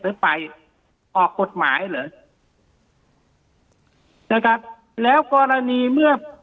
หรือไปออกกฎหมายเหรอนะครับแล้วกรณีเมื่อ